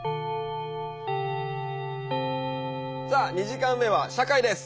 さあ２時間目は社会です。